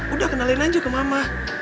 udah kenalin aja ke mama